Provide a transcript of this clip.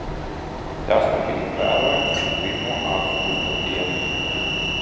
Tas nu bija vērojams uz pirmo acu uzmetiena.